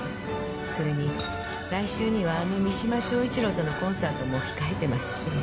それに来週にはあの三島彰一郎とのコンサートも控えてますし。